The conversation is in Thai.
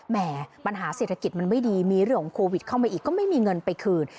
ปัญหาเศรษฐกิจมันไม่ดีมีเรื่องของโควิดเข้ามาอีกก็ไม่มีเงินไปคืน